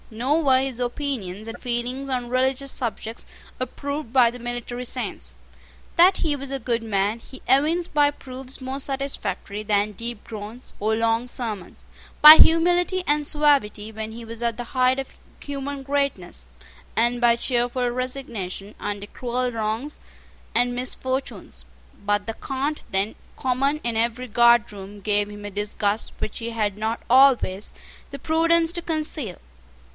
Nor were his opinions and feelings on religious subjects approved by the military saints. That he was a good man he evinced by proofs more satisfactory than deep groans or long sermons, by humility and suavity when he was at the height of human greatness, and by cheerful resignation under cruel wrongs and misfortunes: but the cant then common in every guardroom gave him a disgust which he had not always the prudence to conceal.